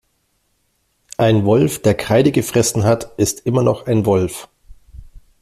Ein Wolf, der Kreide gefressen hat, ist immer noch ein Wolf.